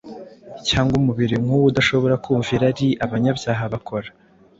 Cyangwa umubiri nkuwo udashobora kumva irari abanyabyaha bakora?